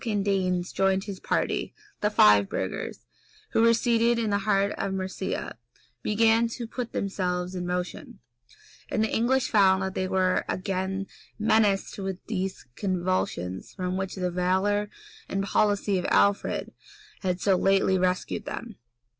] The East Anglian Danes joined his party; the Five burgers, who were seated in the heart of Mercia, began to put themselves in motion; and the English found that they were again menaced with those convulsions from which the valor and policy of Alfred had so lately rescued them.